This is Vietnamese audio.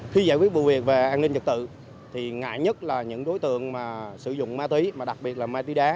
khi giải quyết vụ việc về an ninh trật tự thì ngại nhất là những đối tượng mà sử dụng ma túy mà đặc biệt là ma túy đá